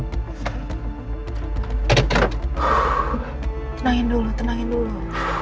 tenangin dulu tenangin dulu